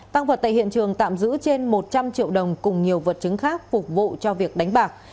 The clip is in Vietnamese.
tăng vật tại hiện trường tạm giữ trên một trăm linh triệu đồng cùng nhiều vật chứng khác phục vụ cho việc đánh bạc